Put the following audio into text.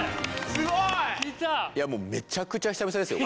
すごい！いやもうめちゃくちゃ久々ですよ